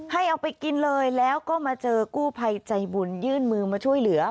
ให้เอาไปกินเลยแล้วก็มาเจอกู้ภัยใจบุญยื่นมือมาช่วยเหลือ